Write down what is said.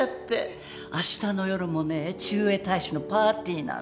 あしたの夜もね駐英大使のパーティーなの。